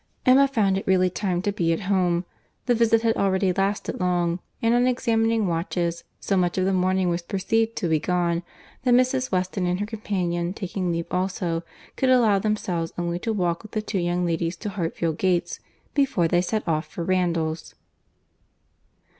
Emma found it really time to be at home; the visit had already lasted long; and on examining watches, so much of the morning was perceived to be gone, that Mrs. Weston and her companion taking leave also, could allow themselves only to walk with the two young ladies to Hartfield gates, before they set off for Randalls.